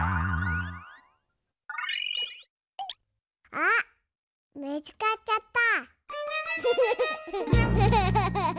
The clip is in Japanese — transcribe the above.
あっみつかっちゃった！